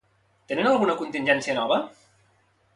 Tenen alguna contingència nova?